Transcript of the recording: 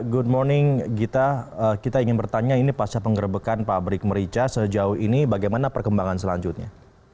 good morning gita kita ingin bertanya ini pasca penggerbekan pabrik merica sejauh ini bagaimana perkembangan selanjutnya